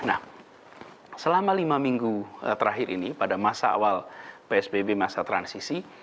nah selama lima minggu terakhir ini pada masa awal psbb masa transisi